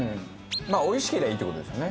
まあおいしけりゃいいって事ですよね。